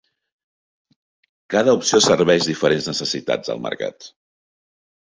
Cada opció serveix diferents necessitats del mercat.